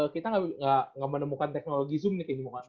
kita gak menemukan teknologi zoom nih